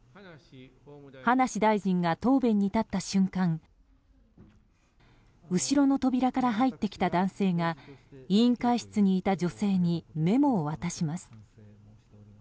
葉梨大臣が答弁に立った瞬間後ろの扉から入ってきた男性が委員会室にいた女性にメモを渡します。